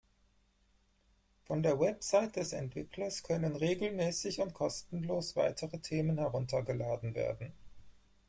Von der Webseite des Entwicklers können regelmäßig und kostenlos weitere Themen heruntergeladen werden.